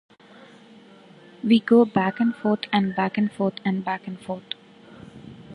We go back and forth and back and forth and back and forth.